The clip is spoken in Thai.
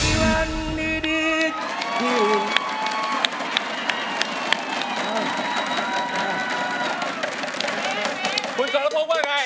ในวันนี้ที่อยู่